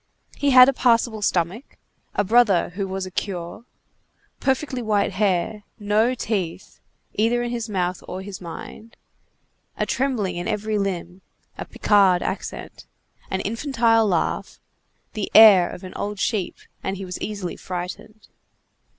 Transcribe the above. He had a passable stomach, a brother who was a curé, perfectly white hair, no teeth, either in his mouth or his mind, a trembling in every limb, a Picard accent, an infantile laugh, the air of an old sheep, and he was easily frightened.